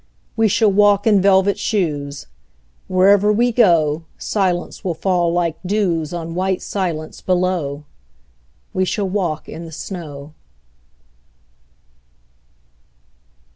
We shall walk in velvet shoes: Wherever we go Silence will fall like dews On white silence below. We shall walk in the snow.